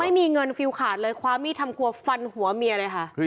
ไม่มีเงินฟิลขาดเลยคว้ามีดทำครัวฟันหัวเมียเลยค่ะ